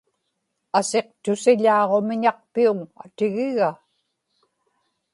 asiqtusiḷaaġumiñaqpiuŋ atigiga